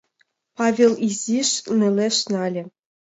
— Павел изиш нелеш нале.